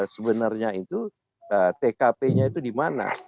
sebenarnya itu tkp nya itu di mana